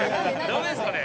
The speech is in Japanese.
ダメですかね？